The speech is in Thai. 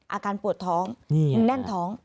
อาการปวดท้องแน่นท้อง